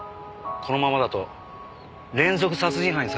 このままだと連続殺人犯にされちまうよ。